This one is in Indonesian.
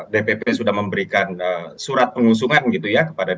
dpp sudah memberikan surat pengusungan gitu ya kepada dp